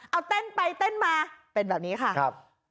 เอาเต้นไปเต้นมาเป็นแบบนี้ค่ะครับ